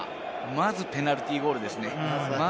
まずペナルティーゴールですね。